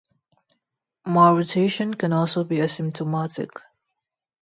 Malrotation can also be asymptomatic.